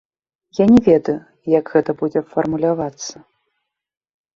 Я не ведаю, як гэта будзе фармулявацца.